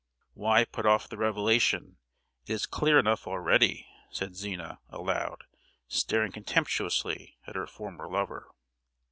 "Why put off the revelation? It is clear enough already!" said Zina, aloud, staring contemptuously at her former lover.